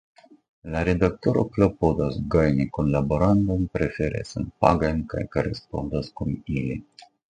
La Redaktoro klopodas gajni kunlaborantojn, prefere senpagajn, kaj korespondas kun ili.